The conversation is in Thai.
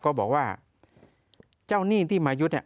ก็บอกว่าเจ้าหนี้ที่มายึดเนี่ย